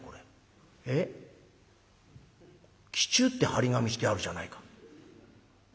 忌中って貼り紙してあるじゃないか。